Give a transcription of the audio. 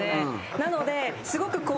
なので、すごくこう。